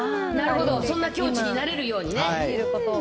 なるほど、そんな境地になれるようにね。